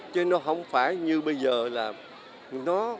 chứ nó không phải như bây giờ là nó